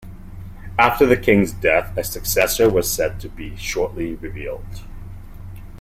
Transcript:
After the king's death, a successor was said to be shortly revealed.